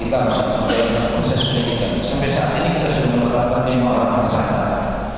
kita bisa memperbaiki sampai saat ini kita sudah memperbaiki lima orang perusahaan